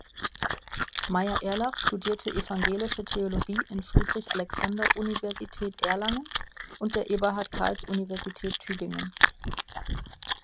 Meyer-Erlach studierte evangelische Theologie in Friedrich-Alexander-Universität Erlangen und der Eberhard Karls Universität Tübingen.